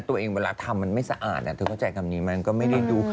ตัวเองเวลาทำมันไม่สะอาดนะเธอเข้าใจกับนี้มันก็ไม่ได้ดู